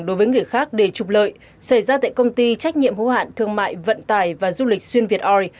đối với người khác để trục lợi xảy ra tại công ty trách nhiệm hữu hạn thương mại vận tải và du lịch xuyên việt oi